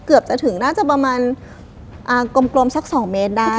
เกือบจะถึงน่าจะประมาณกลมสัก๒เมตรได้